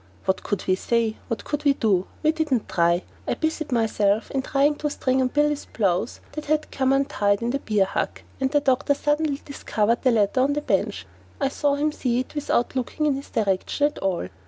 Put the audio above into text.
What could we say? What could we do? We didn't try. I busied myself in tying the string on Billy's blouse that had come untied in the bear hug, and the doctor suddenly discovered the letter on the bench. I saw him see it without looking in his direction at all.